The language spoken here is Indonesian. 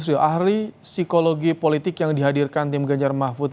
menjawab pertanyaan yusriul ahli psikologi politik yang dihadirkan tim ganjar mahfuzi